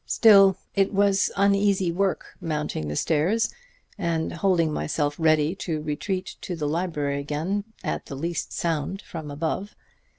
Still, it was uneasy work mounting the stairs and holding myself ready to retreat to the library again at the least sound from above.